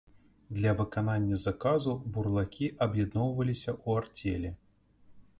Для выканання заказу бурлакі аб'ядноўваліся ў арцелі.